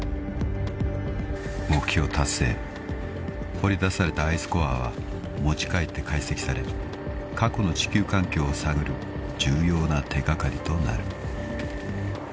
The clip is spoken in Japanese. ［掘り出されたアイスコアは持ち帰って解析され過去の地球環境を探る重要な手掛かりとなる］